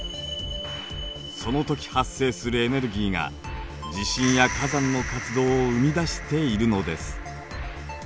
そのとき発生するエネルギーが地震や火山の活動を生み出しているのです。